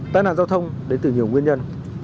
tài nạn giao thông đến từ nhiều nguyên nhân